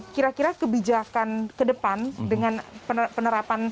kira kira kebijakan kedepan dengan penerapan